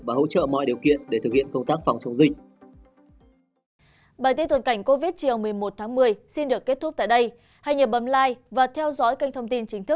và hỗ trợ mọi điều kiện để thực hiện công tác phòng chống dịch covid